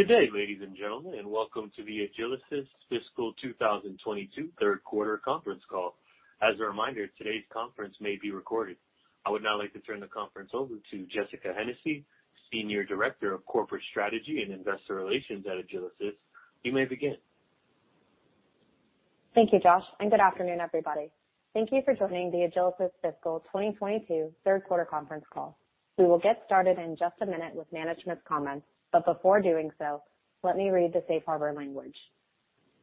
Good day, ladies and gentlemen, and welcome to the Agilysys fiscal 2022 third quarter conference call. As a reminder, today's conference may be recorded. I would now like to turn the conference over to Jessica Hennessy, Senior Director of Corporate Strategy and Investor Relations at Agilysys. You may begin. Thank you, Josh, and good afternoon, everybody. Thank you for joining the Agilysys fiscal 2022 third quarter conference call. We will get started in just a minute with management's comments, but before doing so, let me read the safe harbor language.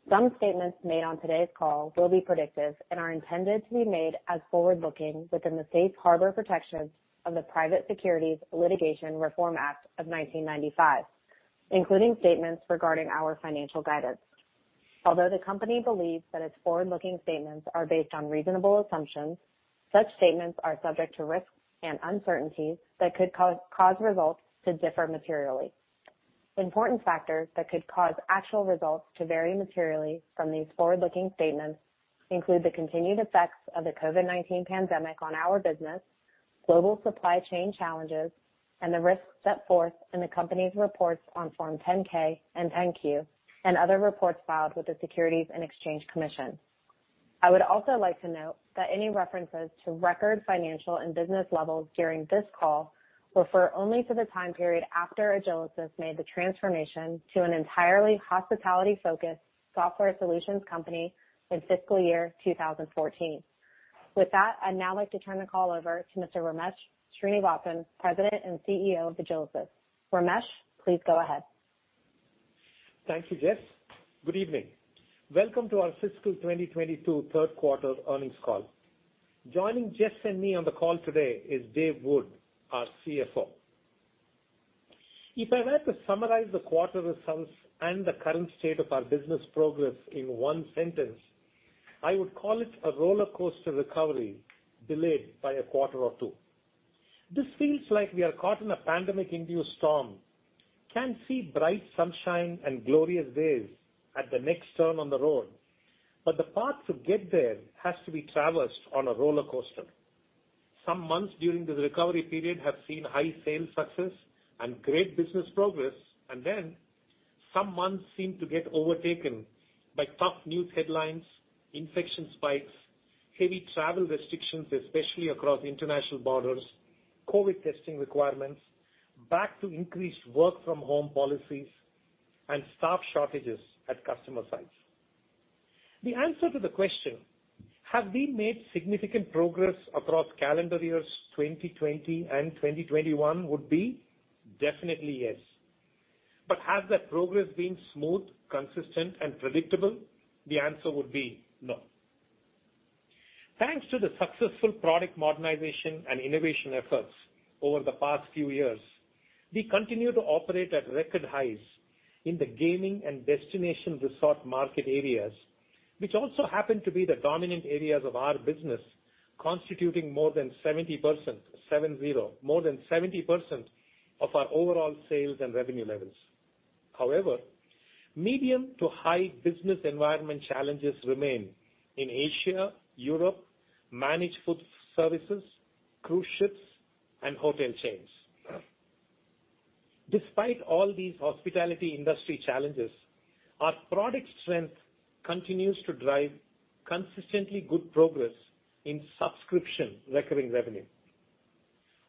Some statements made on today's call will be predictive and are intended to be made as forward-looking within the safe harbor protections of the Private Securities Litigation Reform Act of 1995, including statements regarding our financial guidance. Although the company believes that its forward-looking statements are based on reasonable assumptions, such statements are subject to risks and uncertainties that could cause results to differ materially. Important factors that could cause actual results to vary materially from these forward-looking statements include the continued effects of the COVID-19 pandemic on our business, global supply chain challenges, and the risks set forth in the company's reports on Form 10-K and Form 10-Q and other reports filed with the Securities and Exchange Commission. I would also like to note that any references to record financial and business levels during this call refer only to the time period after Agilysys made the transformation to an entirely hospitality-focused software solutions company in fiscal year 2014. With that, I'd now like to turn the call over to Mr. Ramesh Srinivasan, President and CEO of Agilysys. Ramesh, please go ahead. Thank you, Jess. Good evening. Welcome to our fiscal 2022 third quarter earnings call. Joining Jess and me on the call today is Dave Wood, our CFO. If I had to summarize the quarter results and the current state of our business progress in one sentence, I would call it a roller coaster recovery delayed by a quarter or two. This feels like we are caught in a pandemic-induced storm, we can see bright sunshine and glorious days at the next turn on the road, but the path to get there has to be traversed on a roller coaster. Some months during this recovery period have seen high sales success and great business progress, and then some months seem to get overtaken by tough news headlines, infection spikes, heavy travel restrictions, especially across international borders, COVID testing requirements, back to increased work-from-home policies, and staff shortages at customer sites. The answer to the question, have we made significant progress across calendar years 2020 and 2021 would be definitely yes. Has that progress been smooth, consistent, and predictable? The answer would be no. Thanks to the successful product modernization and innovation efforts over the past few years, we continue to operate at record highs in the gaming and destination resort market areas, which also happen to be the dominant areas of our business, constituting more than 70%, 70, more than 70% of our overall sales and revenue levels. However, medium to high business environment challenges remain in Asia, Europe, managed food services, cruise ships, and hotel chains. Despite all these hospitality industry challenges, our product strength continues to drive consistently good progress in subscription recurring revenue.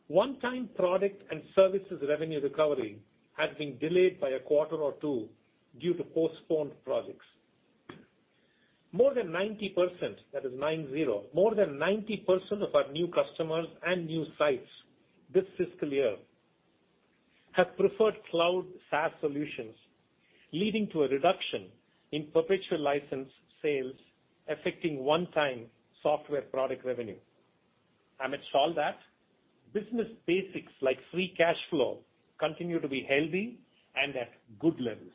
One-time product and services revenue recovery has been delayed by a quarter or two due to postponed projects. More than 90%, that is nine zero. More than 90% of our new customers and new sites this fiscal year have preferred cloud SaaS solutions, leading to a reduction in perpetual license sales affecting one-time software product revenue. Amidst all that, business basics like free cash flow continue to be healthy and at good levels.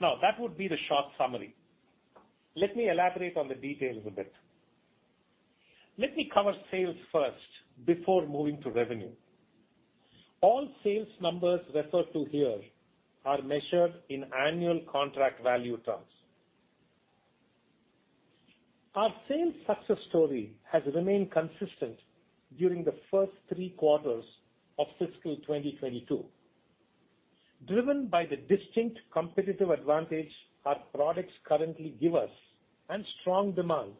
Now, that would be the short summary. Let me elaborate on the details a bit. Let me cover sales first before moving to revenue. All sales numbers referred to here are measured in annual contract value terms. Our sales success story has remained consistent during the first three quarters of fiscal 2022. Driven by the distinct competitive advantage our products currently give us and strong demand,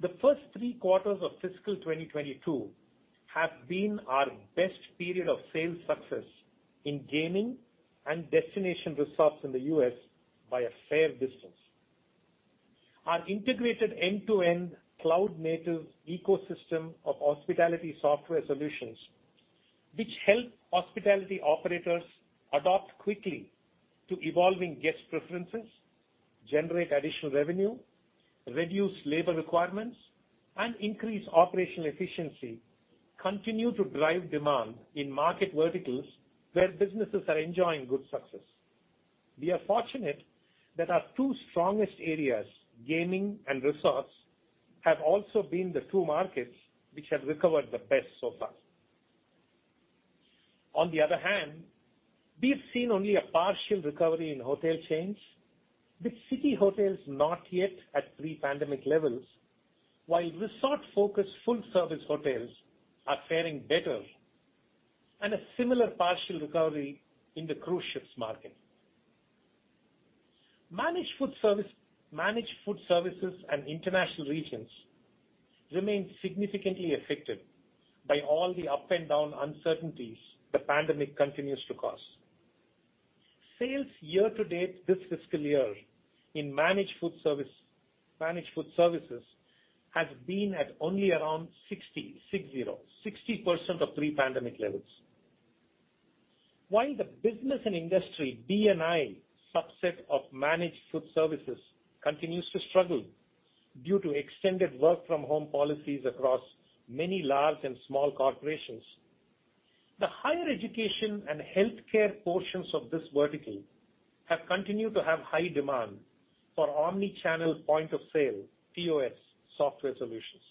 the first three quarters of fiscal 2022 have been our best period of sales success in gaming and destination resorts in the U.S. by a fair distance. Our integrated end-to-end cloud-native ecosystem of hospitality software solutions, which help hospitality operators adapt quickly to evolving guest preferences, generate additional revenue, reduce labor requirements, and increase operational efficiency, continue to drive demand in market verticals where businesses are enjoying good success. We are fortunate that our two strongest areas, gaming and resorts, have also been the two markets which have recovered the best so far. On the other hand, we have seen only a partial recovery in hotel chains, with city hotels not yet at pre-pandemic levels, while resort-focused full-service hotels are faring better and a similar partial recovery in the cruise ships market. Managed food services and international regions remain significantly affected by all the up and down uncertainties the pandemic continues to cause. Sales year-to-date this fiscal year in managed food services has been at only around 60% of pre-pandemic levels. While the business and industry, B&I, subset of managed food services continues to struggle due to extended work-from-home policies across many large and small corporations, the higher education and healthcare portions of this vertical have continued to have high demand for omni-channel point of sale, POS, software solutions.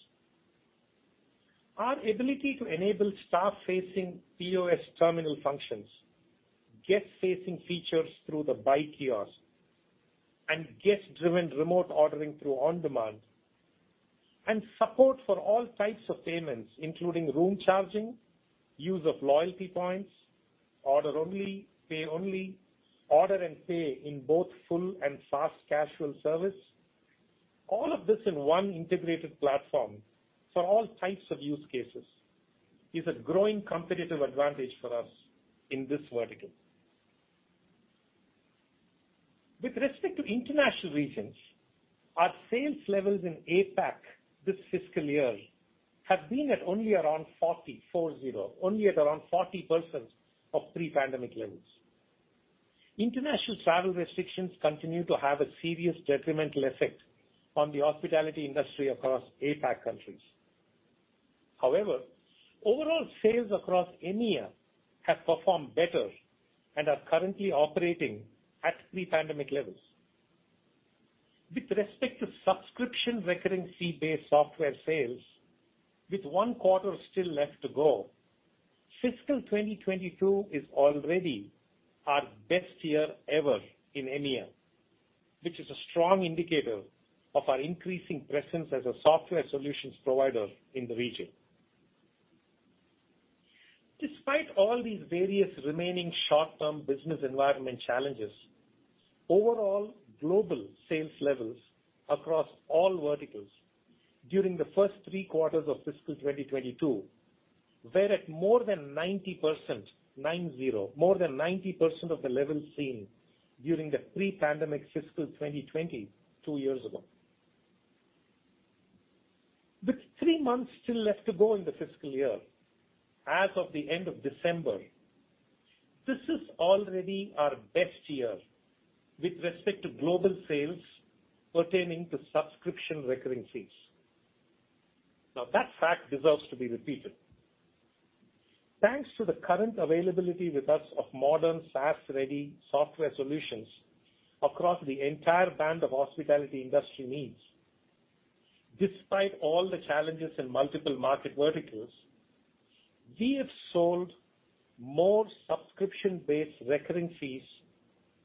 Our ability to enable staff-facing POS terminal functions, guest-facing features through the buy kiosk and guest-driven remote ordering through on-demand and support for all types of payments, including room charging, use of loyalty points, order only, pay only, order and pay in both full and fast casual service, all of this in one integrated platform for all types of use cases, is a growing competitive advantage for us in this vertical. With respect to international regions, our sales levels in APAC this fiscal year have been at only around 40%, four zero, only at around 40% of pre-pandemic levels. International travel restrictions continue to have a serious detrimental effect on the hospitality industry across APAC countries. However, overall sales across EMEA have performed better and are currently operating at pre-pandemic levels. With respect to subscription recurring fee-based software sales, with one quarter still left to go, fiscal 2022 is already our best year ever in EMEA, which is a strong indicator of our increasing presence as a software solutions provider in the region. Despite all these various remaining short-term business environment challenges, overall global sales levels across all verticals during the first three quarters of fiscal 2022 were at more than 90%, nine zero, more than 90% of the levels seen during the pre-pandemic fiscal 2020 2 years ago. With three months still left to go in the fiscal year, as of the end of December, this is already our best year with respect to global sales pertaining to subscription recurring fees. Now, that fact deserves to be repeated. Thanks to the current availability with us of modern SaaS-ready software solutions across the entire band of hospitality industry needs, despite all the challenges in multiple market verticals, we have sold more subscription-based recurring fees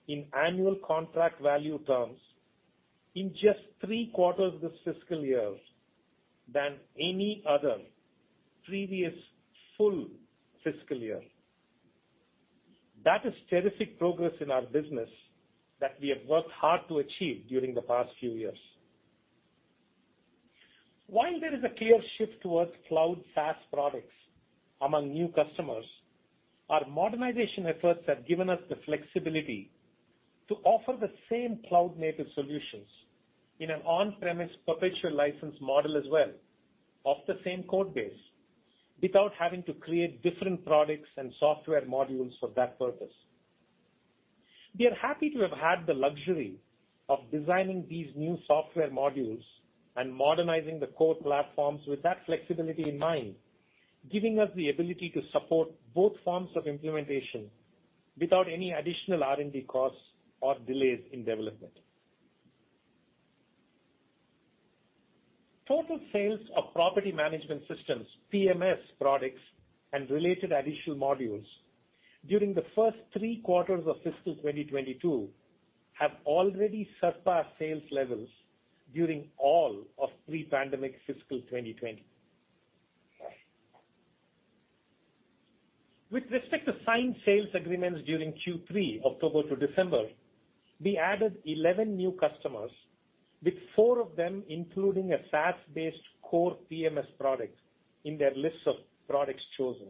in annual contract value terms in just three quarters of this fiscal year than any other previous full fiscal year. That is terrific progress in our business that we have worked hard to achieve during the past few years. While there is a clear shift towards cloud SaaS products among new customers, our modernization efforts have given us the flexibility to offer the same cloud-native solutions in an on-premise perpetual license model as well, off the same code base, without having to create different products and software modules for that purpose. We are happy to have had the luxury of designing these new software modules and modernizing the core platforms with that flexibility in mind, giving us the ability to support both forms of implementation without any additional R&D costs or delays in development. Total sales of property management systems, PMS products, and related additional modules during the first three quarters of fiscal 2022 have already surpassed sales levels during all of pre-pandemic fiscal 2020. With respect to signed sales agreements during Q3, October to December, we added 11 new customers, with four of them including a SaaS-based core PMS product in their list of products chosen,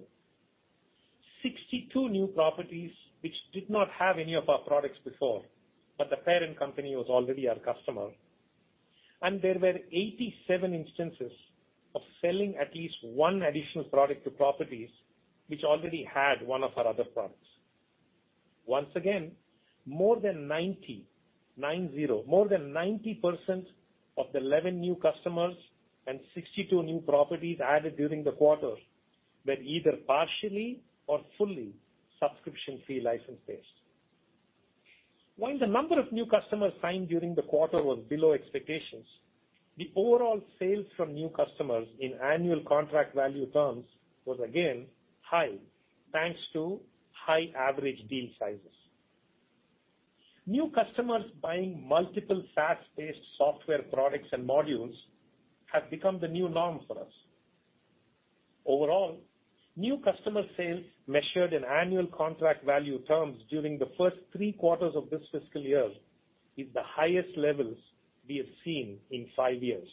62 new properties which did not have any of our products before, but the parent company was already our customer. There were 87 instances of selling at least one additional product to properties which already had one of our other products. Once again, more than 90% of the 11 new customers and 62 new properties added during the quarter were either partially or fully subscription fee license pays. While the number of new customers signed during the quarter was below expectations, the overall sales from new customers in annual contract value terms was again high, thanks to high average deal sizes. New customers buying multiple SaaS-based software products and modules have become the new norm for us. Overall, new customer sales measured in annual contract value terms during the first three quarters of this fiscal year is the highest levels we have seen in 5 years.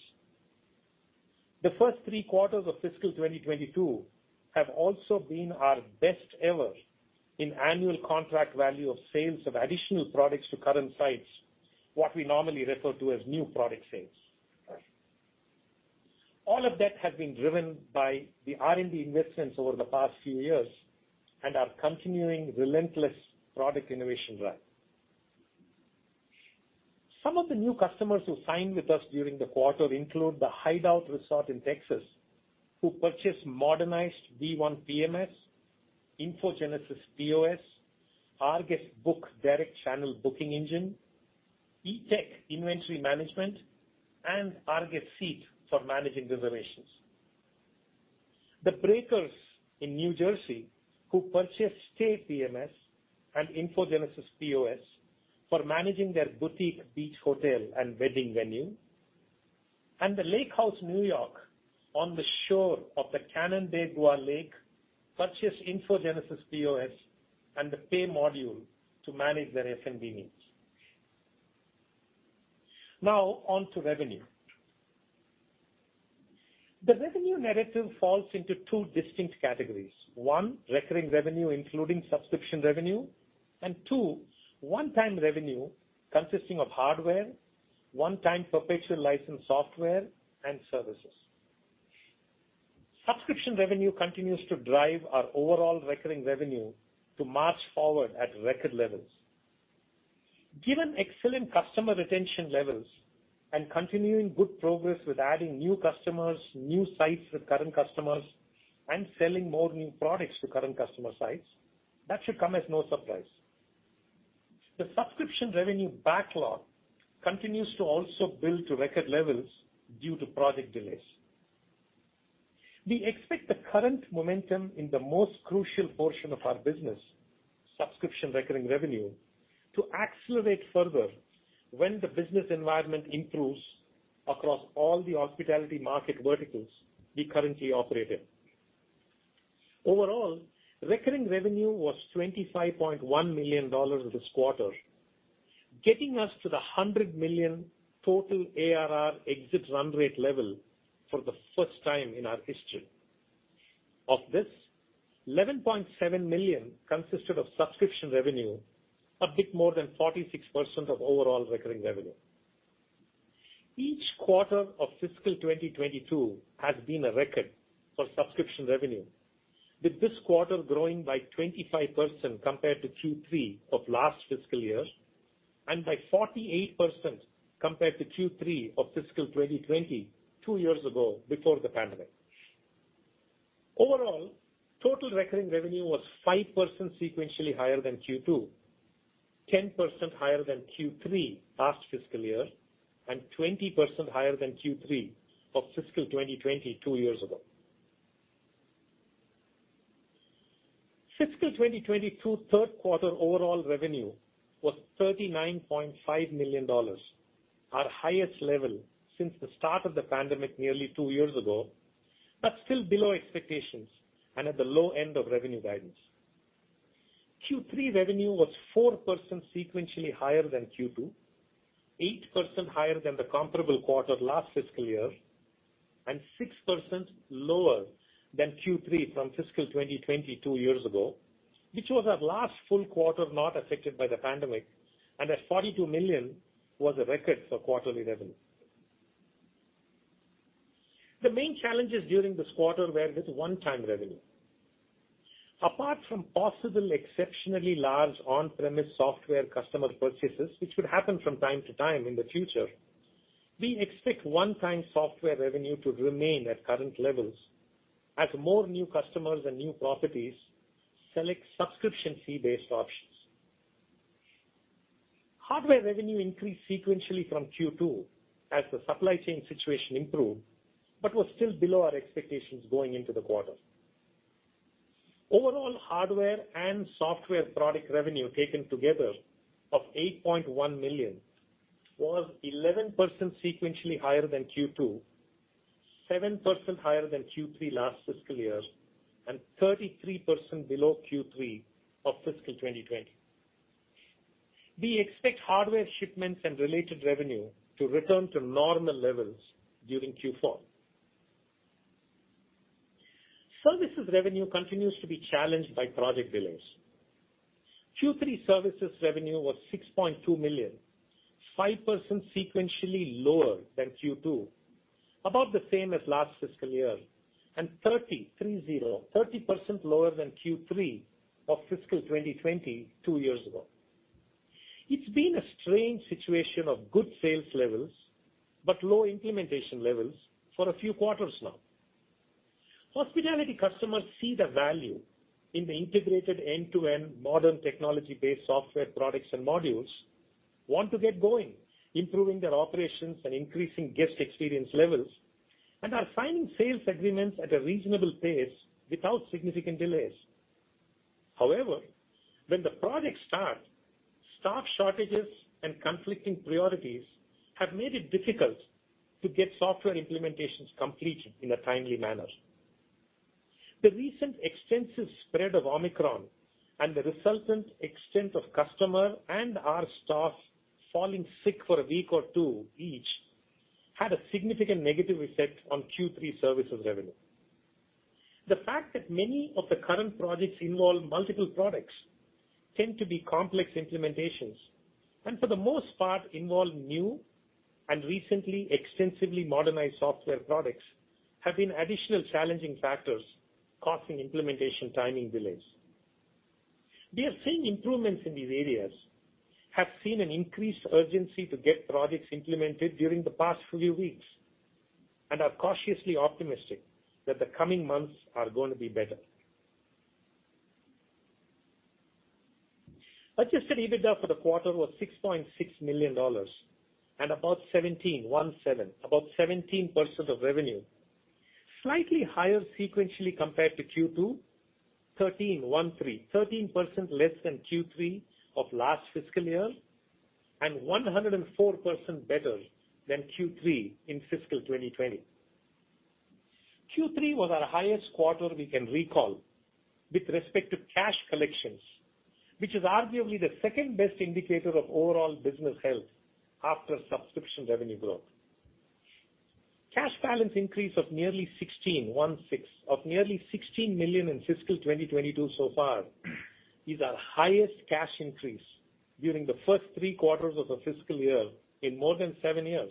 The first three quarters of fiscal 2022 have also been our best ever in annual contract value of sales of additional products to current sites, what we normally refer to as new product sales. All of that has been driven by the R&D investments over the past few years and our continuing relentless product innovation drive. Some of the new customers who signed with us during the quarter include The Hideout Resort in Texas, who purchased modernized Visual One PMS, InfoGenesis POS, rGuest Book direct channel booking engine, Eatec inventory management, and rGuest Seat for managing reservations. The Breakers in New Jersey, who purchased Stay PMS and InfoGenesis POS for managing their boutique beach hotel and wedding venue. The Lake House, New York, on the shore of the Canandaigua Lake purchased InfoGenesis POS and the Pay module to manage their F&B needs. Now on to revenue. The revenue narrative falls into two distinct categories. One, recurring revenue, including subscription revenue, and two, one-time revenue consisting of hardware, one-time perpetual licensed software, and services. Subscription revenue continues to drive our overall recurring revenue to march forward at record levels. Given excellent customer retention levels and continuing good progress with adding new customers, new sites with current customers, and selling more new products to current customer sites, that should come as no surprise. The subscription revenue backlog continues to also build to record levels due to project delays. We expect the current momentum in the most crucial portion of our business, subscription recurring revenue, to accelerate further when the business environment improves across all the hospitality market verticals we currently operate in. Overall, recurring revenue was $25.1 million this quarter, getting us to the $100 million total ARR exit run rate level for the first time in our history. Of this, $11.7 million consisted of subscription revenue, a bit more than 46% of overall recurring revenue. Each quarter of fiscal 2022 has been a record for subscription revenue, with this quarter growing by 25% compared to Q3 of last fiscal year, and by 48% compared to Q3 of fiscal 2020, before the pandemic. Overall, total recurring revenue was 5% sequentially higher than Q2, 10% higher than Q3 last fiscal year, and 20% higher than Q3 of fiscal 2022 years ago. Fiscal 2022 third quarter overall revenue was $39.5 million, our highest level since the start of the pandemic nearly 2 years ago, but still below expectations and at the low end of revenue guidance. Q3 revenue was 4% sequentially higher than Q2, 8% higher than the comparable quarter last fiscal year, and 6% lower than Q3 from fiscal 2022 years ago, which was our last full quarter not affected by the pandemic, and at $42 million, was a record for quarterly revenue. The main challenges during this quarter were with one-time revenue. Apart from possible exceptionally large on-premise software customer purchases, which would happen from time to time in the future, we expect one-time software revenue to remain at current levels as more new customers and new properties select subscription fee-based options. Hardware revenue increased sequentially from Q2 as the supply chain situation improved, but was still below our expectations going into the quarter. Overall, hardware and software product revenue taken together of $8.1 million was 11% sequentially higher than Q2, 7% higher than Q3 last fiscal year, and 33% below Q3 of fiscal 2020. We expect hardware shipments and related revenue to return to normal levels during Q4. Services revenue continues to be challenged by project billings. Q3 services revenue was $6.2 million, 5% sequentially lower than Q2, about the same as last fiscal year, and 33% lower than Q3 of fiscal 2020 2 years ago. It's been a strange situation of good sales levels but low implementation levels for a few quarters now. Hospitality customers see the value in the integrated end-to-end modern technology-based software products and modules, want to get going, improving their operations and increasing guest experience levels, and are signing sales agreements at a reasonable pace without significant delays. However, when the project start, staff shortages and conflicting priorities have made it difficult to get software implementations completed in a timely manner. The recent extensive spread of Omicron and the resultant extent of customer and our staff falling sick for a week or two each had a significant negative effect on Q3 services revenue. The fact that many of the current projects involve multiple products tend to be complex implementations, and for the most part, involve new and recently extensively modernized software products have been additional challenging factors causing implementation timing delays. We are seeing improvements in these areas, have seen an increased urgency to get projects implemented during the past few weeks, and are cautiously optimistic that the coming months are going to be better. Adjusted EBITDA for the quarter was $6.6 million and about 17%, one seven, about 17% of revenue, slightly higher sequentially compared to Q2, 13%, one three, 13% less than Q3 of last fiscal year, and 104% better than Q3 in fiscal 2020. Q3 was our highest quarter we can recall with respect to cash collections, which is arguably the second best indicator of overall business health after subscription revenue growth. Cash balance increase of nearly $16 million in fiscal 2022 so far is our highest cash increase during the first three quarters of the fiscal year in more than 7 years,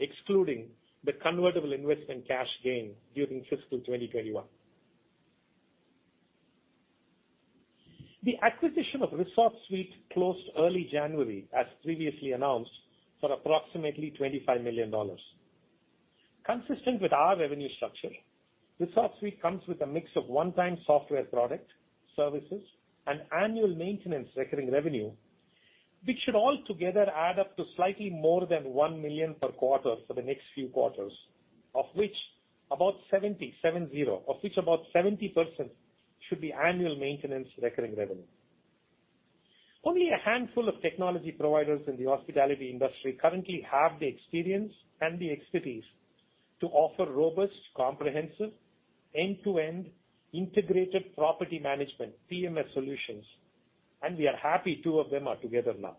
excluding the convertible investment cash gain during fiscal 2021. The acquisition of ResortSuite closed early January, as previously announced, for approximately $25 million. Consistent with our revenue structure, ResortSuite comes with a mix of one-time software product, services, and annual maintenance recurring revenue, which should all together add up to slightly more than $1 million per quarter for the next few quarters, of which about 70% should be annual maintenance recurring revenue. Only a handful of technology providers in the hospitality industry currently have the experience and the expertise to offer robust, comprehensive, end-to-end integrated property management PMS solutions, and we are happy two of them are together now.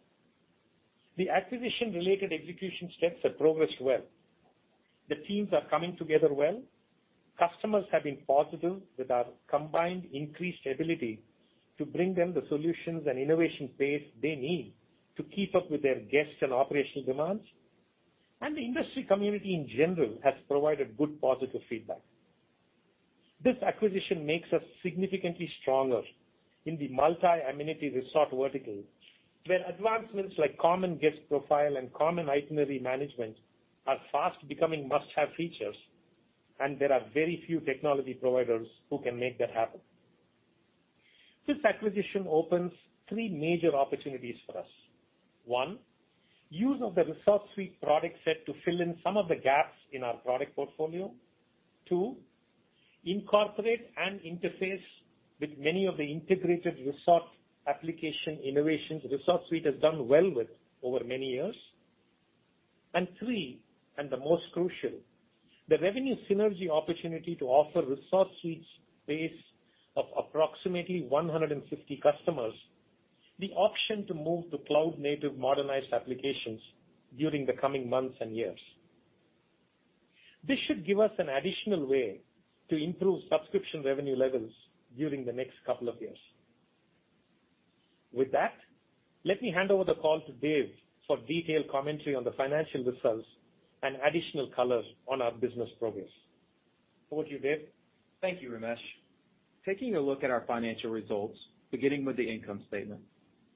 The acquisition-related execution steps have progressed well. The teams are coming together well. Customers have been positive with our combined increased ability to bring them the solutions and innovation pace they need to keep up with their guests and operational demands. The industry community in general has provided good positive feedback. This acquisition makes us significantly stronger in the multi-amenity resort vertical, where advancements like common guest profile and common itinerary management are fast becoming must-have features, and there are very few technology providers who can make that happen. This acquisition opens three major opportunities for us. One, use of the ResortSuite product set to fill in some of the gaps in our product portfolio. Two, incorporate and interface with many of the integrated resort application innovations ResortSuite has done well with over many years. Three, and the most crucial, the revenue synergy opportunity to offer ResortSuite's base of approximately 150 customers the option to move to cloud-native modernized applications during the coming months and years. This should give us an additional way to improve subscription revenue levels during the next couple of years. With that, let me hand over the call to Dave for detailed commentary on the financial results and additional color on our business progress. Over to you, Dave. Thank you, Ramesh. Taking a look at our financial results, beginning with the income statement.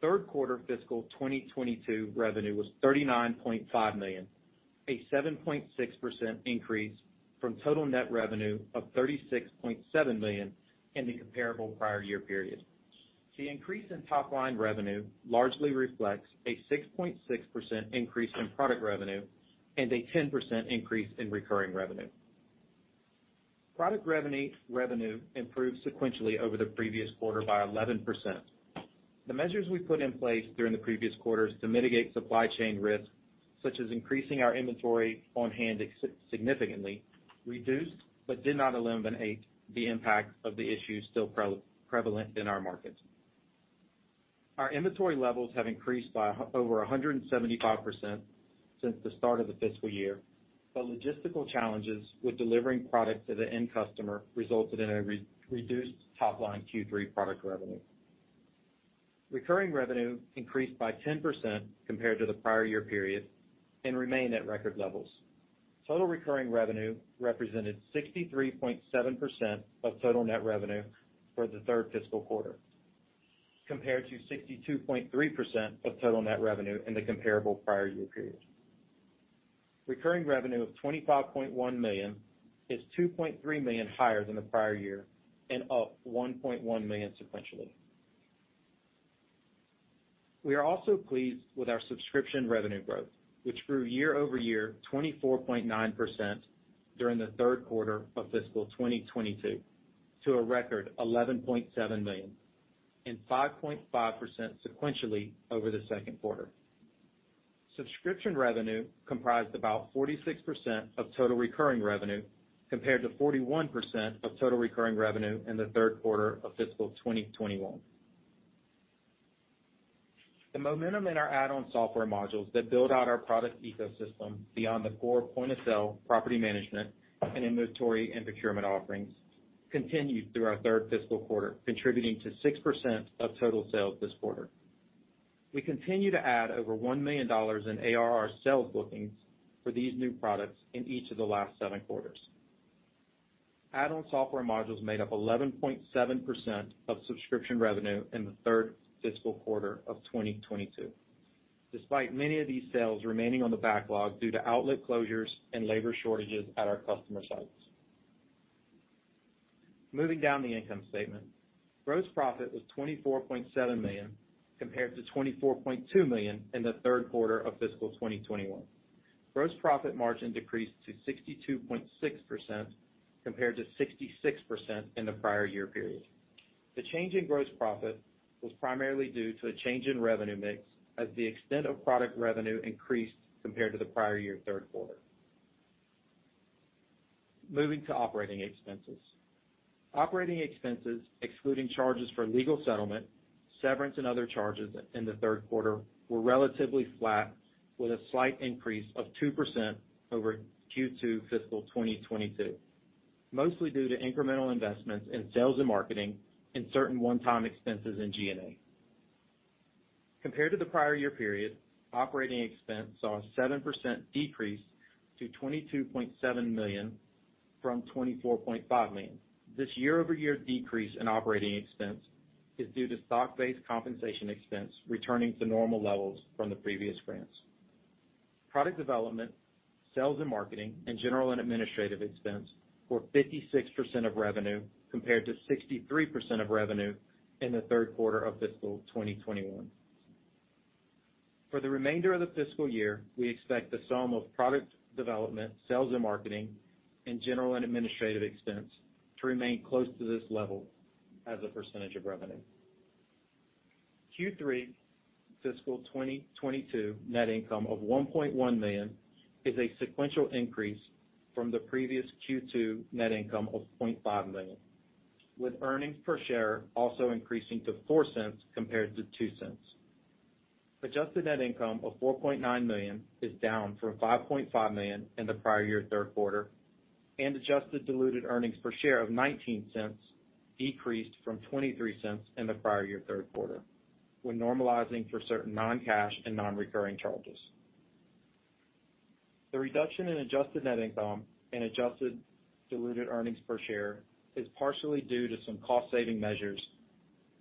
Third quarter fiscal 2022 revenue was $39.5 million, a 7.6% increase from total net revenue of $36.7 million in the comparable prior year period. The increase in top line revenue largely reflects a 6.6% increase in product revenue, and a 10% increase in recurring revenue. Product revenue improved sequentially over the previous quarter by 11%. The measures we put in place during the previous quarters to mitigate supply chain risk, such as increasing our inventory on hand, significantly reduced, but did not eliminate the impact of the issues still prevalent in our markets. Our inventory levels have increased by over 175% since the start of the fiscal year, but logistical challenges with delivering product to the end customer resulted in reduced top-line Q3 product revenue. Recurring revenue increased by 10% compared to the prior year period and remain at record levels. Total recurring revenue represented 63.7% of total net revenue for the third fiscal quarter, compared to 62.3% of total net revenue in the comparable prior year period. Recurring revenue of $25.1 million is $2.3 million higher than the prior year and up $1.1 million sequentially. We are also pleased with our subscription revenue growth, which grew year-over-year 24.9% during the third quarter of fiscal 2022 to a record $11.7 million and 5.5% sequentially over the second quarter. Subscription revenue comprised about 46% of total recurring revenue compared to 41% of total recurring revenue in the third quarter of fiscal 2021. The momentum in our add-on software modules that build out our product ecosystem beyond the core point-of-sale, property management, and inventory and procurement offerings continued through our third fiscal quarter, contributing to 6% of total sales this quarter. We continue to add over $1 million in ARR sales bookings for these new products in each of the last seven quarters. Add-on software modules made up 11.7% of subscription revenue in the third fiscal quarter of 2022, despite many of these sales remaining on the backlog due to outlet closures and labor shortages at our customer sites. Moving down the income statement. Gross profit was $24.7 million, compared to $24.2 million in the third quarter of fiscal 2021. Gross profit margin decreased to 62.6% compared to 66% in the prior year period. The change in gross profit was primarily due to a change in revenue mix as the extent of product revenue increased compared to the prior year third quarter. Moving to operating expenses. Operating expenses, excluding charges for legal settlement, severance, and other charges in the third quarter were relatively flat with a slight increase of 2% over Q2 fiscal 2022, mostly due to incremental investments in sales and marketing and certain one-time expenses in G&A. Compared to the prior year period, operating expense saw a 7% decrease to $22.7 million from $24.5 million. This year-over-year decrease in operating expense is due to stock-based compensation expense returning to normal levels from the previous grants. Product development, sales and marketing, and general and administrative expense were 56% of revenue compared to 63% of revenue in the third quarter of fiscal 2021. For the remainder of the fiscal year, we expect the sum of product development, sales and marketing, and general and administrative expense to remain close to this level as a percentage of revenue. Q3 fiscal 2022 net income of $1.1 million is a sequential increase from the previous Q2 net income of $0.5 million, with earnings per share also increasing to $0.04 compared to $0.02. Adjusted net income of $4.9 million is down from $5.5 million in the prior-year third quarter, and adjusted diluted earnings per share of $0.19 decreased from $0.23 in the prior-year third quarter when normalizing for certain non-cash and non-recurring charges. The reduction in adjusted net income and adjusted diluted earnings per share is partially due to some cost-saving measures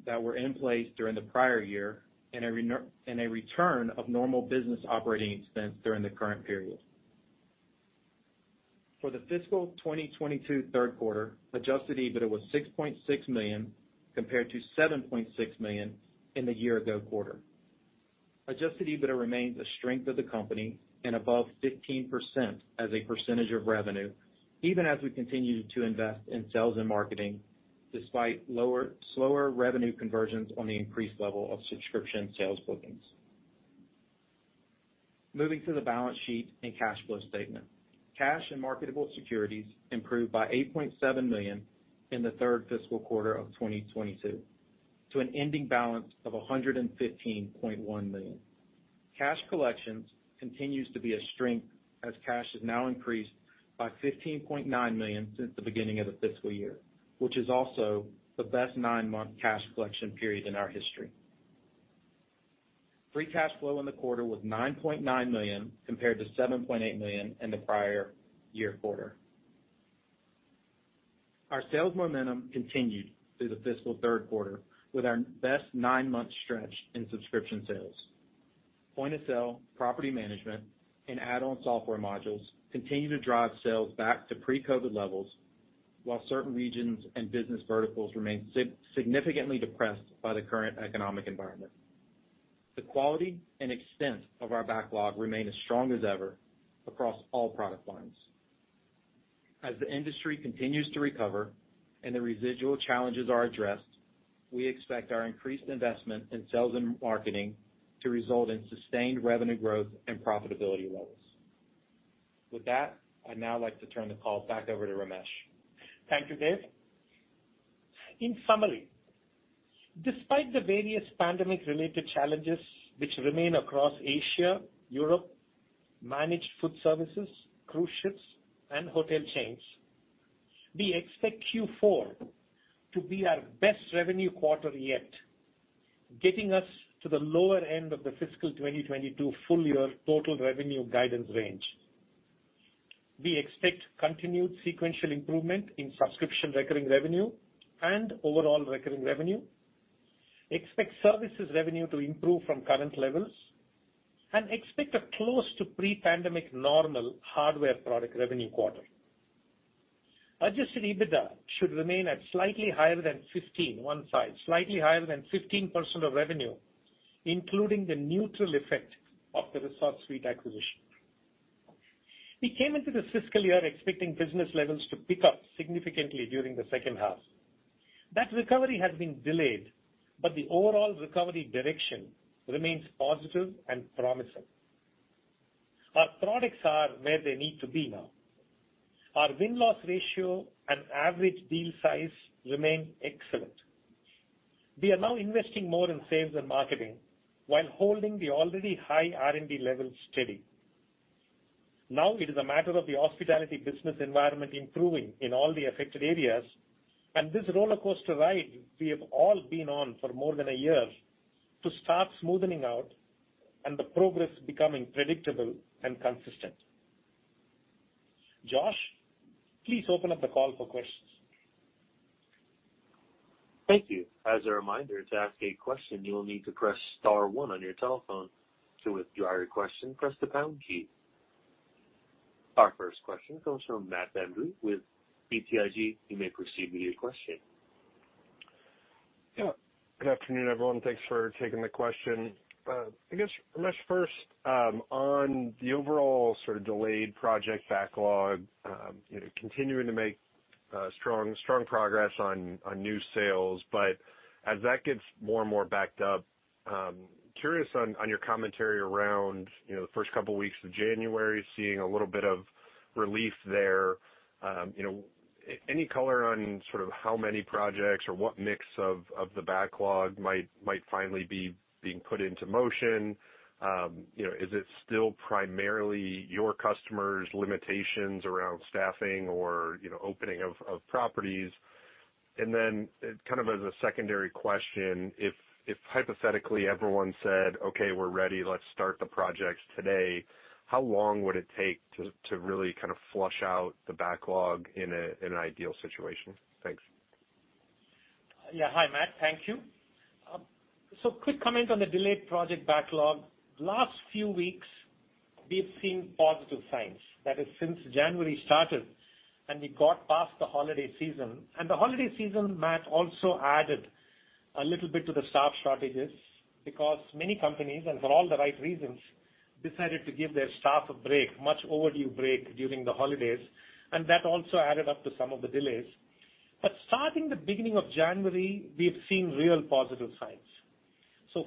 that were in place during the prior year and a return of normal business operating expense during the current period. For the fiscal 2022 third quarter, adjusted EBITDA was $6.6 million, compared to $7.6 million in the year-ago quarter. Adjusted EBITDA remains a strength of the company and above 15% of revenue, even as we continue to invest in sales and marketing despite slower revenue conversions on the increased level of subscription sales bookings. Moving to the balance sheet and cash flow statement. Cash and marketable securities improved by $8.7 million in the third fiscal quarter of 2022 to an ending balance of $115.1 million. Cash collections continues to be a strength as cash has now increased by $15.9 million since the beginning of the fiscal year, which is also the best nine-month cash collection period in our history. Free cash flow in the quarter was $9.9 million compared to $7.8 million in the prior year quarter. Our sales momentum continued through the fiscal third quarter with our best nine-month stretch in subscription sales. Point of sale, property management, and add-on software modules continue to drive sales back to pre-COVID levels, while certain regions and business verticals remain significantly depressed by the current economic environment. The quality and extent of our backlog remain as strong as ever across all product lines. As the industry continues to recover and the residual challenges are addressed, we expect our increased investment in sales and marketing to result in sustained revenue growth and profitability levels. With that, I'd now like to turn the call back over to Ramesh. Thank you, Dave. In summary, despite the various pandemic-related challenges which remain across Asia, Europe, managed food services, cruise ships, and hotel chains, we expect Q4 to be our best revenue quarter yet, getting us to the lower end of the fiscal 2022 full year total revenue guidance range. We expect continued sequential improvement in subscription recurring revenue and overall recurring revenue, expect services revenue to improve from current levels, and expect a close to pre-pandemic normal hardware product revenue quarter. Adjusted EBITDA should remain at slightly higher than 15% of revenue, including the neutral effect of the ResortSuite acquisition. We came into this fiscal year expecting business levels to pick up significantly during the second half. That recovery has been delayed, but the overall recovery direction remains positive and promising. Our products are where they need to be now. Our win-loss ratio and average deal size remain excellent. We are now investing more in sales and marketing while holding the already high R&D levels steady. Now it is a matter of the hospitality business environment improving in all the affected areas, and this roller coaster ride we have all been on for more than a year to start smoothing out and the progress becoming predictable and consistent. Josh, please open up the call for questions. Thank you. As a reminder, to ask a question, you will need to press star one on your telephone. To withdraw your question, press the pound key. Our first question comes from Matt VanVliet with BTIG. You may proceed with your question. Yeah. Good afternoon, everyone. Thanks for taking the question. I guess Ramesh first, on the overall sort of delayed project backlog, you know, continuing to make strong progress on new sales. As that gets more and more backed up, curious on your commentary around, you know, the first couple weeks of January, seeing a little bit of relief there. You know, any color on sort of how many projects or what mix of the backlog might finally be being put into motion? You know, is it still primarily your customers' limitations around staffing or, you know, opening of properties? Kind of as a secondary question, if hypothetically everyone said, "Okay, we're ready, let's start the projects today," how long would it take to really kind of flush out the backlog in an ideal situation? Thanks. Yeah. Hi, Matt. Thank you. Quick comment on the delayed project backlog. In the last few weeks, we've seen positive signs. That is since January started, and we got past the holiday season. The holiday season, Matt, also added a little bit to the staff shortages because many companies, and for all the right reasons, decided to give their staff a break, much-overdue break during the holidays, and that also added up to some of the delays. Starting at the beginning of January, we've seen real positive signs.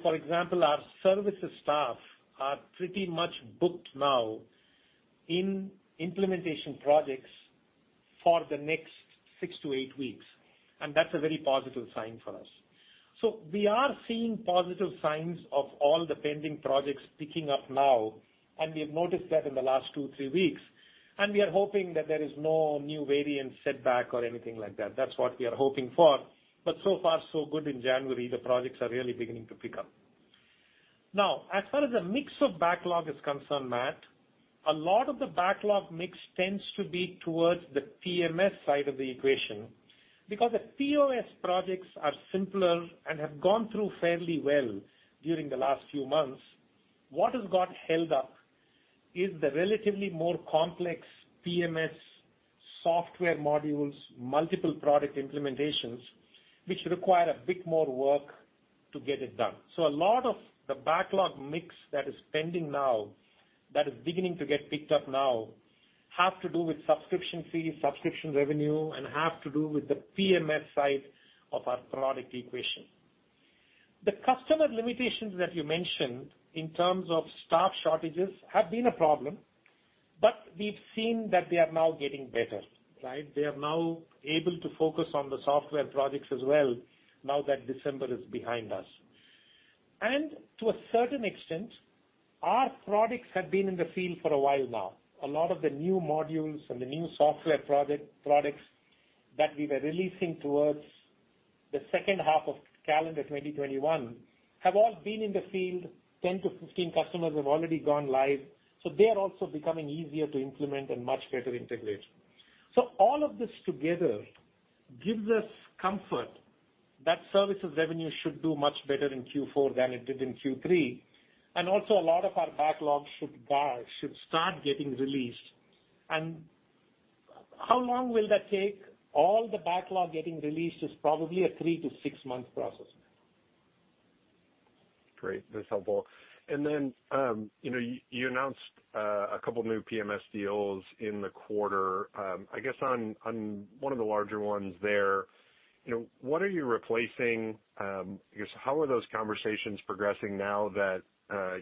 For example, our services staff are pretty much booked now in implementation projects for the next six to eight weeks, and that's a very positive sign for us. We are seeing positive signs of all the pending projects picking up now, and we have noticed that in the last two, three weeks, and we are hoping that there is no new variant setback or anything like that. That's what we are hoping for. So far so good in January. The projects are really beginning to pick up. Now, as far as the mix of backlog is concerned, Matt, a lot of the backlog mix tends to be towards the PMS side of the equation. Because the POS projects are simpler and have gone through fairly well during the last few months, what has got held up is the relatively more complex PMS software modules, multiple product implementations, which require a bit more work to get it done. A lot of the backlog mix that is pending now, that is beginning to get picked up now, have to do with subscription fees, subscription revenue, and have to do with the PMS side of our product equation. The customer limitations that you mentioned in terms of staff shortages have been a problem, but we've seen that they are now getting better, right? They are now able to focus on the software projects as well now that December is behind us. To a certain extent, our products have been in the field for a while now. A lot of the new modules and the new software products that we were releasing towards the second half of calendar 2021 have all been in the field, 10-15 customers have already gone live. They are also becoming easier to implement and much better integrate. All of this together gives us comfort that services revenue should do much better in Q4 than it did in Q3, and also a lot of our backlog should start getting released. How long will that take? All the backlog getting released is probably a three to six month process. Great. That's helpful. You know, you announced a couple new PMS deals in the quarter. I guess on one of the larger ones there, you know, what are you replacing. I guess how are those conversations progressing now that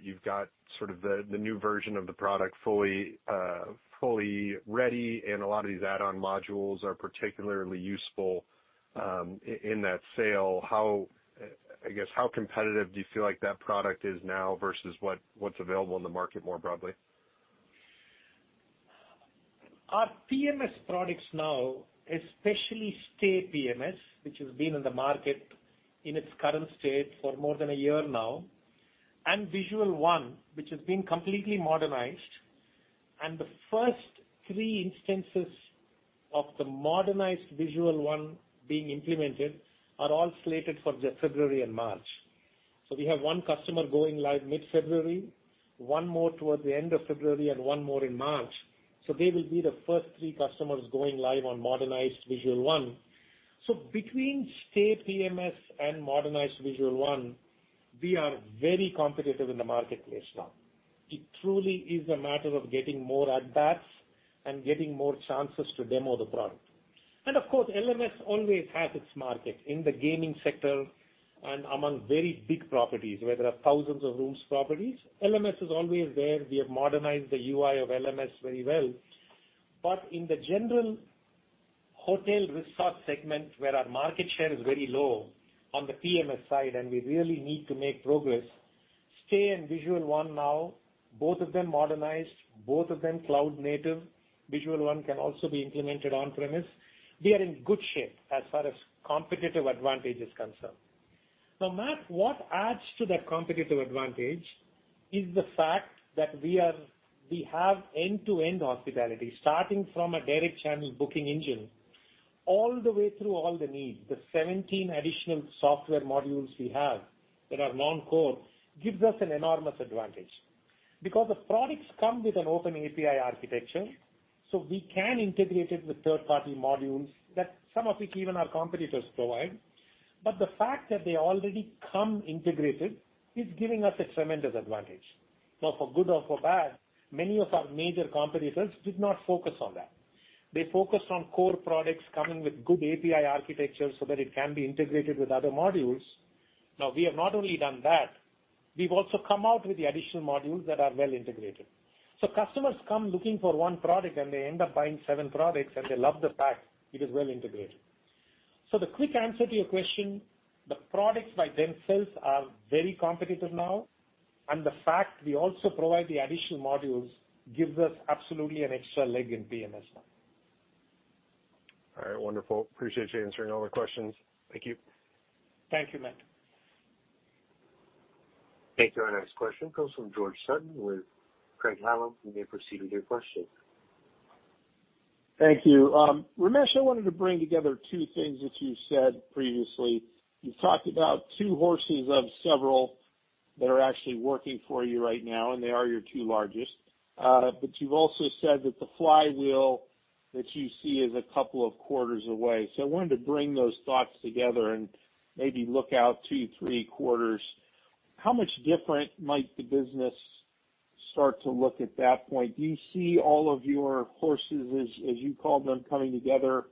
you've got sort of the new version of the product fully ready and a lot of these add-on modules are particularly useful in that sale? I guess how competitive do you feel like that product is now versus what's available in the market more broadly? Our PMS products now, especially Stay PMS, which has been in the market in its current state for more than a year now. Visual One, which has been completely modernized, and the first three instances of the modernized Visual One being implemented are all slated for February and March. We have one customer going live mid-February, one more towards the end of February, and one more in March. They will be the first three customers going live on modernized Visual One. Between Stay PMS and modernized Visual One, we are very competitive in the marketplace now. It truly is a matter of getting more at bats and getting more chances to demo the product. Of course, LMS always has its market. In the gaming sector and among very big properties, where there are thousands of rooms properties, LMS is always there. We have modernized the UI of LMS very well. In the general hotel resort segment, where our market share is very low on the PMS side, and we really need to make progress, Stay and Visual One now, both of them modernized, both of them cloud native. Visual One can also be implemented on-premise. We are in good shape as far as competitive advantage is concerned. Now, Matt, what adds to that competitive advantage is the fact that we have end-to-end hospitality, starting from a direct channel booking engine, all the way through all the needs. The 17 additional software modules we have that are non-core gives us an enormous advantage. Because the products come with an open API architecture, so we can integrate it with third-party modules that some of which even our competitors provide. The fact that they already come integrated is giving us a tremendous advantage. Now, for good or for bad, many of our major competitors did not focus on that. They focused on core products coming with good API architecture so that it can be integrated with other modules. Now, we have not only done that, we've also come out with the additional modules that are well integrated. Customers come looking for one product and they end up buying seven products, and they love the fact it is well integrated. The quick answer to your question, the products by themselves are very competitive now, and the fact we also provide the additional modules gives us absolutely an extra leg up in PMS now. All right. Wonderful. Appreciate you answering all my questions. Thank you. Thank you, Matt. Thank you. Our next question comes from George Sutton with Craig-Hallum. You may proceed with your question. Thank you. Ramesh, I wanted to bring together two things that you said previously. You've talked about two horses of several that are actually working for you right now, and they are your two largest. But you've also said that the flywheel that you see is a couple of quarters away. I wanted to bring those thoughts together and maybe look out two, three quarters. How much different might the business start to look at that point? Do you see all of your horses, as you call them, coming together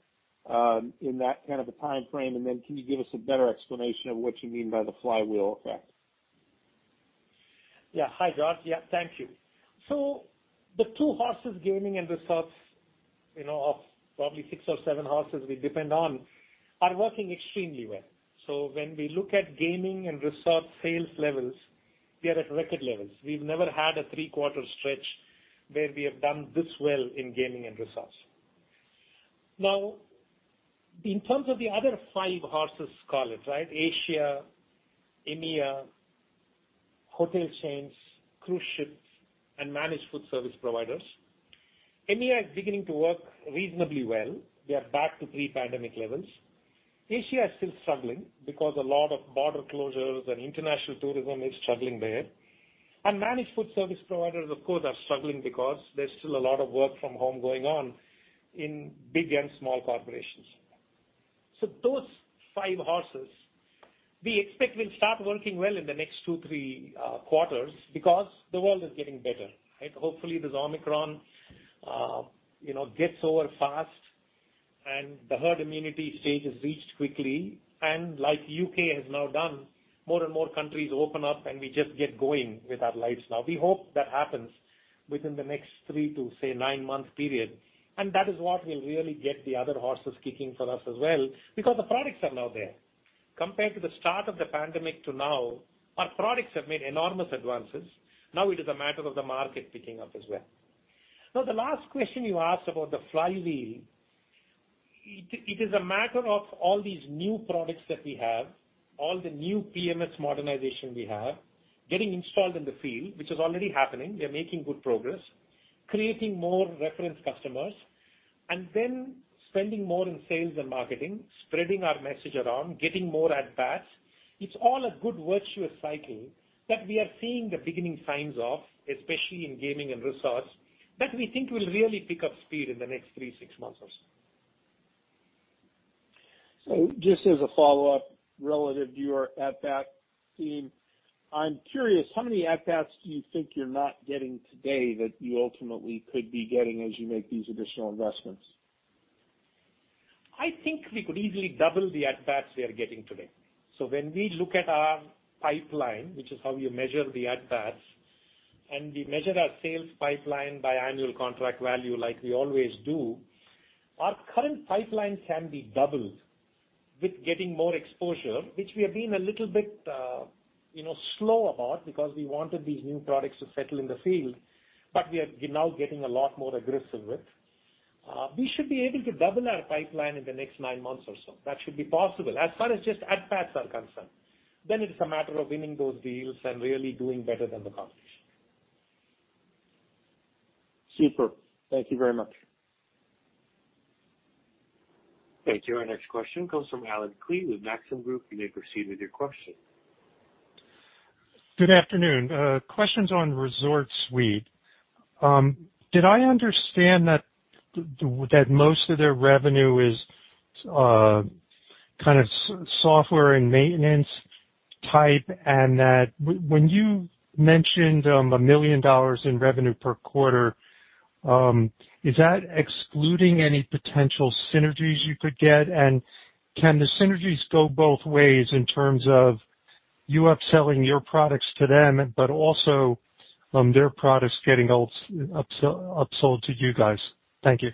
in that kind of a timeframe? And then can you give us a better explanation of what you mean by the flywheel effect? Yeah. Hi, George. Yeah, thank you. The two horses, gaming and resorts, you know, of probably six or seven horses we depend on, are working extremely well. When we look at gaming and resort sales levels, we are at record levels. We've never had a three-quarter stretch where we have done this well in gaming and resorts. Now, in terms of the other five horses, call it, right? Asia, EMEA, hotel chains, cruise ships, and managed food service providers. EMEA is beginning to work reasonably well. We are back to pre-pandemic levels. Asia is still struggling because a lot of border closures and international tourism is struggling there. Managed food service providers, of course, are struggling because there's still a lot of work from home going on in big and small corporations. Those five horses, we expect will start working well in the next two, three quarters because the world is getting better, right? Hopefully, this Omicron, you know, gets over fast and the herd immunity stage is reached quickly. Like U.K. has now done, more and more countries open up, and we just get going with our lives now. We hope that happens within the next three to, say, nine-month period. That is what will really get the other horses kicking for us as well, because the products are now there. Compared to the start of the pandemic to now, our products have made enormous advances. Now it is a matter of the market picking up as well. Now, the last question you asked about the flywheel, it is a matter of all these new products that we have, all the new PMS modernization we have, getting installed in the field, which is already happening. We are making good progress, creating more reference customers, and then spending more in sales and marketing, spreading our message around, getting more at bats. It's all a good virtuous cycle that we are seeing the beginning signs of, especially in gaming and resorts, that we think will really pick up speed in the next three to six months or so. Just as a follow-up relative to your at-bat theme, I'm curious, how many at-bats do you think you're not getting today that you ultimately could be getting as you make these additional investments? I think we could easily double the at-bats we are getting today. When we look at our pipeline, which is how we measure the at-bats, and we measure our sales pipeline by annual contract value like we always do, our current pipeline can be doubled with getting more exposure, which we have been a little bit, you know, slow about because we wanted these new products to settle in the field, but we are now getting a lot more aggressive with. We should be able to double our pipeline in the next nine months or so. That should be possible as far as just at-bats are concerned. It's a matter of winning those deals and really doing better than the competition. Super. Thank you very much. Thank you. Our next question comes from Allen Klee with Maxim Group. You may proceed with your question. Good afternoon. Questions on ResortSuite. Did I understand that most of their revenue is kind of software and maintenance type, and that when you mentioned $1 million in revenue per quarter, is that excluding any potential synergies you could get? Can the synergies go both ways in terms of you upselling your products to them, but also their products getting upsold to you guys? Thank you.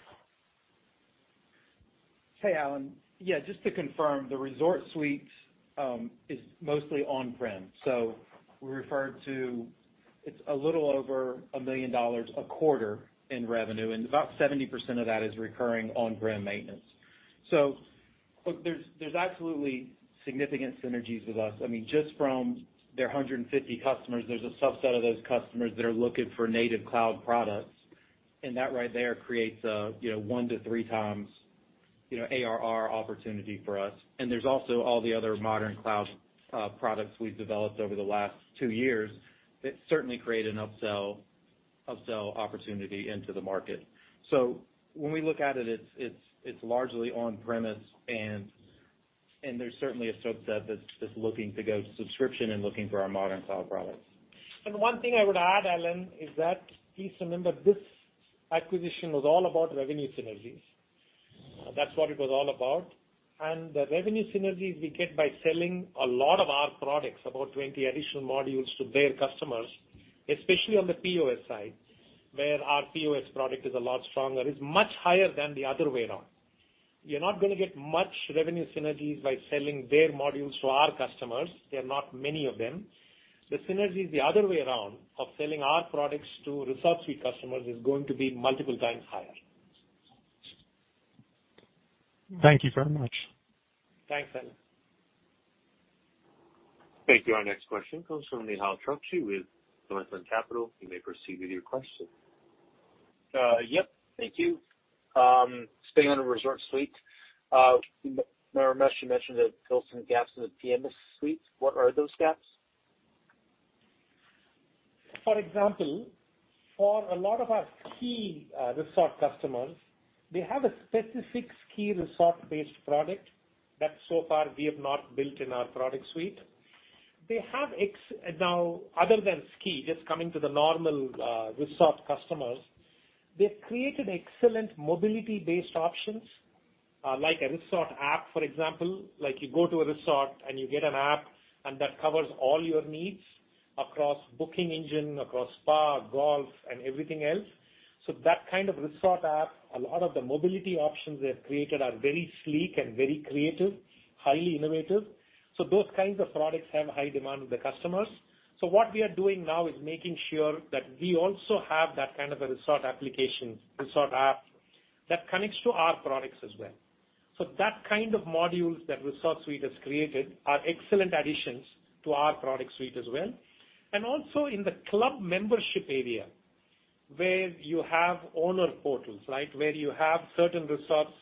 Hey, Allen. Yeah, just to confirm, the ResortSuite is mostly on-prem. It's a little over $1 million a quarter in revenue, and about 70% of that is recurring on-prem maintenance. Look, there's absolutely significant synergies with us. I mean, just from their 150 customers, there's a subset of those customers that are looking for native cloud products, and that right there creates a you know, 1x-3x you know, ARR opportunity for us. And there's also all the other modern cloud products we've developed over the last 2 years that certainly create an upsell opportunity into the market. When we look at it's largely on-premise and there's certainly a subset that's looking to go subscription and looking for our modern cloud products. One thing I would add, Allen, is that please remember this acquisition was all about revenue synergies. That's what it was all about. The revenue synergies we get by selling a lot of our products, about 20 additional modules to their customers, especially on the POS side, where our POS product is a lot stronger, is much higher than the other way around. You're not gonna get much revenue synergies by selling their modules to our customers. There are not many of them. The synergies the other way around of selling our products to ResortSuite customers is going to be multiple times higher. Thank you very much. Thanks, Allen. Thank you. Our next question comes from Nehal Chokshi with Northland Capital. You may proceed with your question. Yep. Thank you. Staying on ResortSuite. Ramesh, you mentioned it fills some gaps in the PMS suite. What are those gaps? For example, for a lot of our key resort customers, they have a specific ski resort-based product that so far we have not built in our product suite. Now, other than ski, just coming to the normal resort customers, they've created excellent mobility-based options, like a resort app, for example. Like, you go to a resort, and you get an app, and that covers all your needs across booking engine, across spa, golf, and everything else. That kind of resort app, a lot of the mobility options they've created are very sleek and very creative, highly innovative. Those kinds of products have high demand with the customers. What we are doing now is making sure that we also have that kind of a resort application, resort app that connects to our products as well. That kind of modules that ResortSuite has created are excellent additions to our product suite as well. Also in the club membership area, where you have owner portals, right? Where you have certain resorts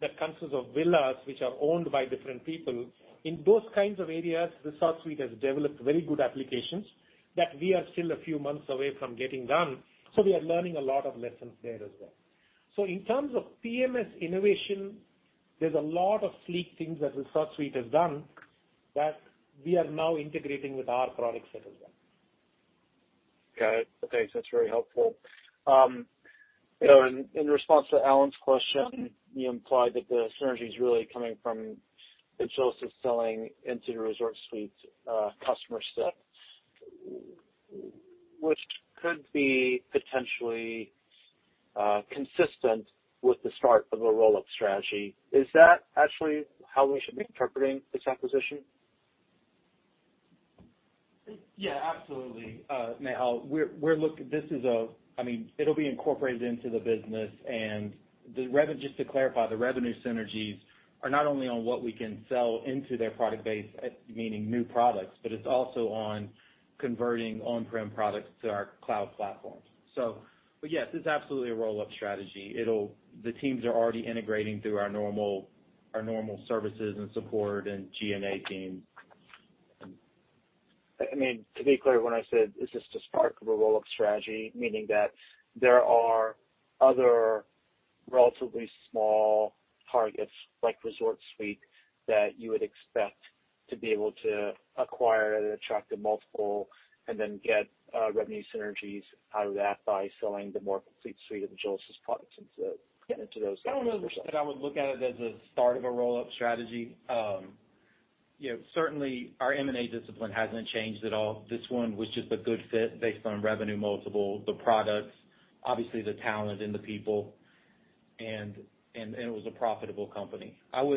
that consists of villas which are owned by different people. In those kinds of areas, ResortSuite has developed very good applications that we are still a few months away from getting done. We are learning a lot of lessons there as well. In terms of PMS innovation, there's a lot of sleek things that ResortSuite has done that we are now integrating with our product set as well. Got it. Okay. That's very helpful. In response to Allen's question, you implied that the synergy is really coming from the source of selling into the ResortSuite customer set, which could be potentially consistent with the start of a roll-up strategy. Is that actually how we should be interpreting this acquisition? Yeah, absolutely. Nehal, I mean, it'll be incorporated into the business. Just to clarify, the revenue synergies are not only on what we can sell into their product base, meaning new products, but it's also on converting on-prem products to our cloud platforms. Yes, it's absolutely a roll-up strategy. The teams are already integrating through our normal services and support and G&A team. I mean, to be clear, when I said is this the start of a roll-up strategy, meaning that there are other relatively small targets like ResortSuite that you would expect to be able to acquire at an attractive multiple and then get revenue synergies out of that by selling the more complete suite of the Agilysys products into those customers as well. I don't know that I would look at it as a start of a roll-up strategy. You know, certainly our M&A discipline hasn't changed at all. This one was just a good fit based on revenue multiple, the products, obviously the talent and the people and it was a profitable company. Our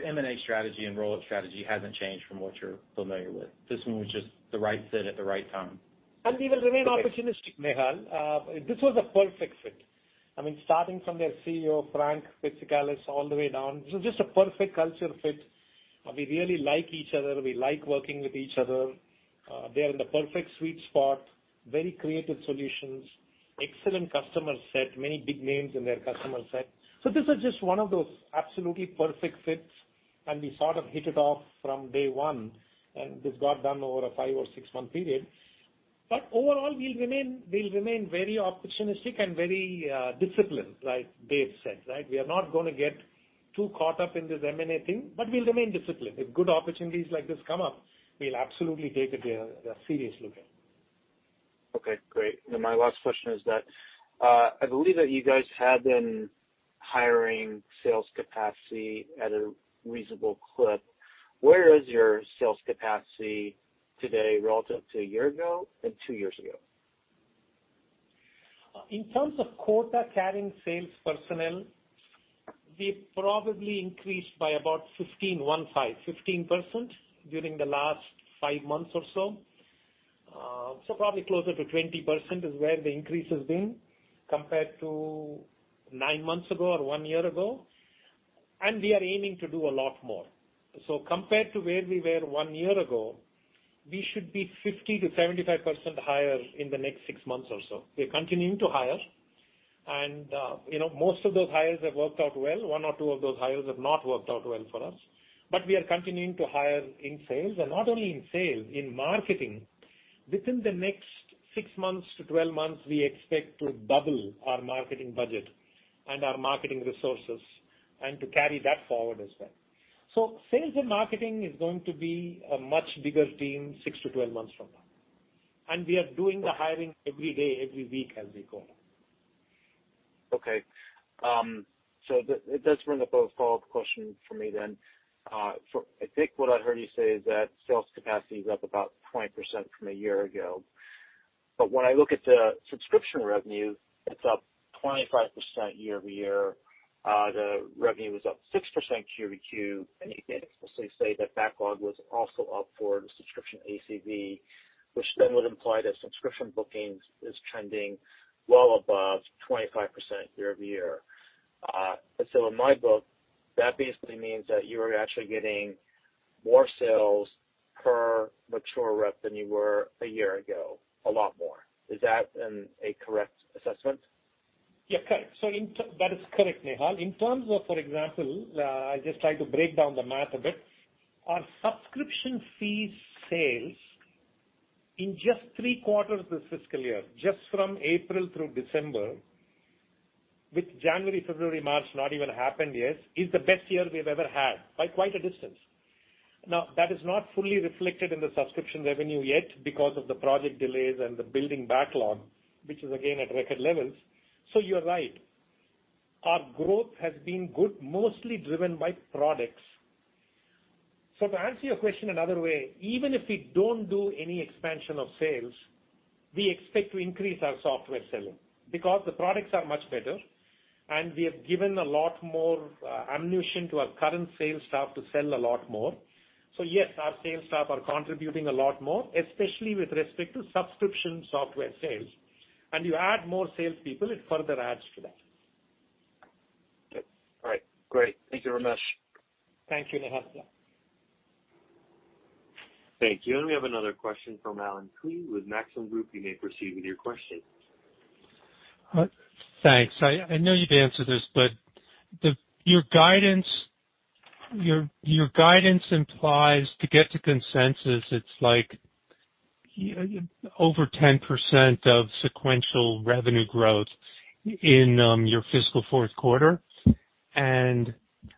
M&A strategy and roll-up strategy hasn't changed from what you're familiar with. This one was just the right fit at the right time. We will remain opportunistic, Nehal. This was a perfect fit. I mean, starting from their CEO, Frank Pitsikalis, all the way down. This is just a perfect culture fit. We really like each other. We like working with each other. They are in the perfect sweet spot, very creative solutions, excellent customer set, many big names in their customer set. This is just one of those absolutely perfect fits, and we sort of hit it off from day one, and this got done over a five or six month period. Overall, we'll remain very opportunistic and very disciplined, like Dave said, right? We are not gonna get too caught up in this M&A thing, but we'll remain disciplined. If good opportunities like this come up, we'll absolutely take a serious look at it. Okay, great. My last question is that, I believe that you guys have been hiring sales capacity at a reasonable clip. Where is your sales capacity today relative to a year ago and 2 years ago? In terms of quota-carrying sales personnel, we've probably increased by about 15%, one five, 15% during the last five months or so. Probably closer to 20% is where the increase has been compared to nine months ago or 1 year ago, and we are aiming to do a lot more. Compared to where we were 1 year ago, we should be 50%-75% higher in the next six months or so. We're continuing to hire and, you know, most of those hires have worked out well. One or two of those hires have not worked out well for us. We are continuing to hire in sales, and not only in sales, in marketing. Within the next six months to 12 months, we expect to double our marketing budget and our marketing resources and to carry that forward as well. Sales and marketing is going to be a much bigger team six to 12 months from now. We are doing the hiring every day, every week as we go. Okay. It does bring up a follow-up question for me then. I think what I've heard you say is that sales capacity is up about 20% from a year ago. When I look at the subscription revenue, it's up 25% year-over-year. The revenue was up 6% Q-over-Q. You did explicitly say that backlog was also up for the subscription ACV, which then would imply that subscription bookings is trending well above 25% year-over-year. In my book, that basically means that you are actually getting more sales per mature rep than you were a year ago, a lot more. Is that a correct assessment? Yeah, correct. That is correct, Nehal. In terms of, for example, I just tried to break down the math a bit. Our subscription fees sales in just three quarters this fiscal year, just from April through December, with January, February, March not even happened yet, is the best year we've ever had by quite a distance. Now, that is not fully reflected in the subscription revenue yet because of the project delays and the billing backlog, which is again at record levels. You're right. Our growth has been good, mostly driven by products. To answer your question another way, even if we don't do any expansion of sales, we expect to increase our software selling because the products are much better, and we have given a lot more ammunition to our current sales staff to sell a lot more. Yes, our sales staff are contributing a lot more, especially with respect to subscription software sales. You add more sales people, it further adds to that. Okay. All right. Great. Thank you, Ramesh. Thank you, Nehal. Thank you. We have another question from Allen Klee with Maxim Group. You may proceed with your question. Thanks. I know you've answered this, but your guidance implies to get to consensus, it's like over 10% sequential revenue growth in your fiscal fourth quarter. And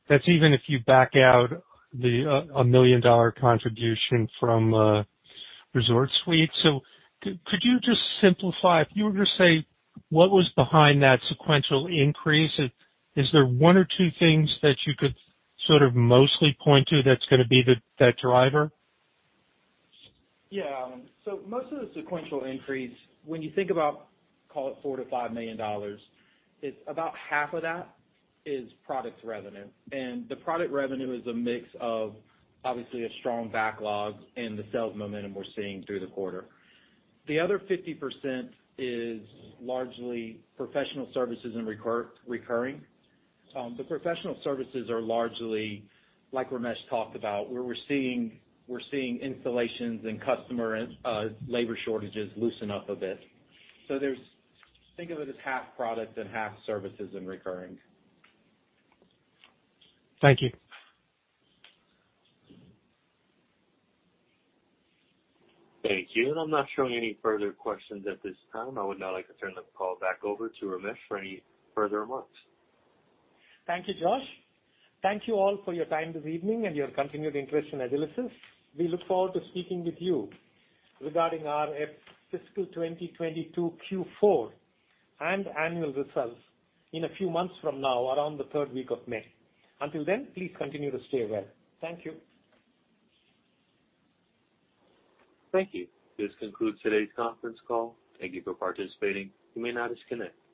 that's even if you back out the $1 million contribution from ResortSuite. Could you just simplify? If you were to say what was behind that sequential increase, is there one or two things that you could sort of mostly point to that's gonna be that driver? Yeah, Allen. Most of the sequential increase, when you think about, call it $4 million-$5 million, it's about half of that is product revenue. The product revenue is a mix of obviously a strong backlog and the sales momentum we're seeing through the quarter. The other 50% is largely professional services and recurring. The professional services are largely, like Ramesh talked about, where we're seeing installations and customer and labor shortages loosen up a bit. Think of it as half product and half services and recurring. Thank you. Thank you. I'm not showing any further questions at this time. I would now like to turn the call back over to Ramesh for any further remarks. Thank you, Josh. Thank you all for your time this evening and your continued interest in Agilysys. We look forward to speaking with you regarding our fiscal 2022 Q4 and annual results in a few months from now, around the third week of May. Until then, please continue to stay well. Thank you. Thank you. This concludes today's conference call. Thank you for participating. You may now disconnect.